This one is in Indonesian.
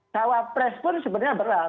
cak wapres pun sebenarnya berat